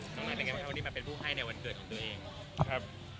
วันนี้ทำยังไงให้เขามาเป็นผู้ให้ในวันกลิ่นของตัวเอง